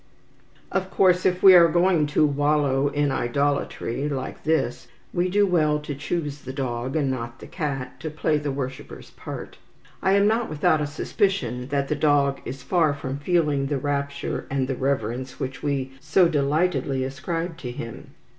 Of course, if we are going to wallow in idolatry like this, we do well to choose the dog, and not the cat, to play the worshipper's part. I am not without a suspicion that the dog is far from feeling the rapture and the reverence which we so delightedly ascribe to him.